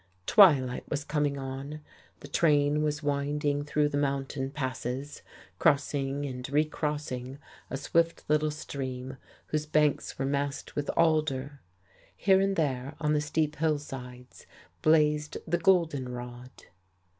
Twilight was coming on, the train was winding through the mountain passes, crossing and re crossing a swift little stream whose banks were massed with alder; here and there, on the steep hillsides, blazed the goldenrod....